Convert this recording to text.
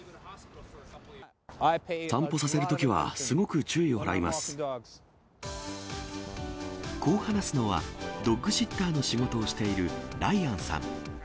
散歩させるときは、こう話すのは、ドッグシッターの仕事をしているライアンさん。